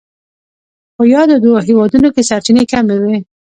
په یادو دوو هېوادونو کې سرچینې کمې وې.